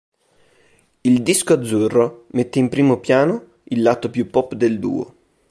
Il disco azzurro mette in primo piano il lato più pop del duo.